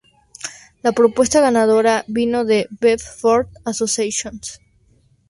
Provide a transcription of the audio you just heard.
La propuesta ganadora vino de Bedford Associates.